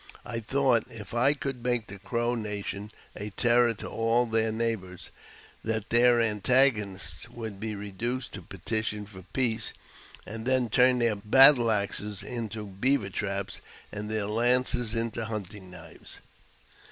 I thought, if I could make the Crow nation a terror to all their neighbours, that their antagonists would be reduced to petition for peace, and then turn their^ battle axes into beaver traps, and their lances into hunti] knives.